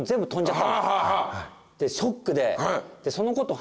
でショックで。